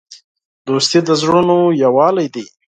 دوستي د زړونو یووالی دی.